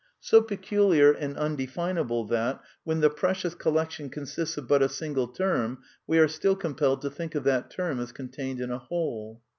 So peculiar and undefinable that, when the precious collection consists of but a single term, we are still compelled to think of that term as contained in a whole.